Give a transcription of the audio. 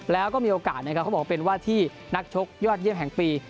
แล้วก็มีโอกาสนะครับเขาบอกเป็นว่าที่นักชกยอดเยี่ยมแห่งปี